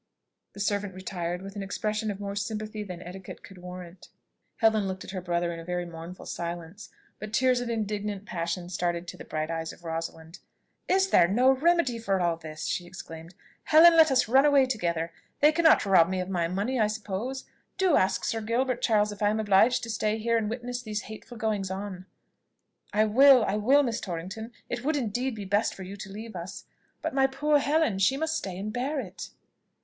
The servant retired, with an expression of more sympathy than etiquette could warrant. Helen looked at her brother in very mournful silence; but tears of indignant passion started to the bright eyes of Rosalind. "Is there no remedy for all this?" she exclaimed. "Helen, let us run away together. They cannot rob me of my money, I suppose. Do ask Sir Gilbert, Charles, if I am obliged to stay here and witness these hateful goings on." "I will I will, Miss Torrington. It would, indeed, be best for you to leave us. But my poor Helen, she must stay and bear it."